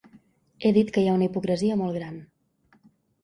He dit que hi ha una hipocresia molt gran.